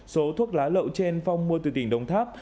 số thuốc lá lậu trên phong mua từ tỉnh đồng tháp